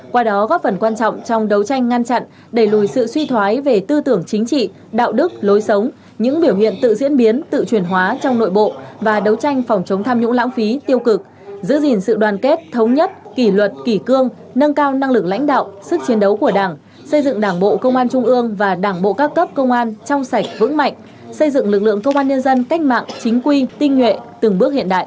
qua đó góp phần quan trọng trong đấu tranh ngăn chặn đẩy lùi sự suy thoái về tư tưởng chính trị đạo đức lối sống những biểu hiện tự diễn biến tự truyền hóa trong nội bộ và đấu tranh phòng chống tham nhũng lãng phí tiêu cực giữ gìn sự đoàn kết thống nhất kỷ luật kỷ cương nâng cao năng lực lãnh đạo sức chiến đấu của đảng xây dựng đảng bộ công an trung ương và đảng bộ các cấp công an trong sạch vững mạnh xây dựng lực lượng công an nhân dân cách mạng chính quy tinh nhuệ từng b